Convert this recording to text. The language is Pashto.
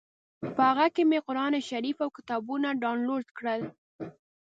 په هغه کې مې قران شریف او کتابونه ډاونلوډ کړل.